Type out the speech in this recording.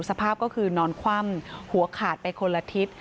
สภาพก็คือนอนคว่ำหัวขาดไปคนละทิศ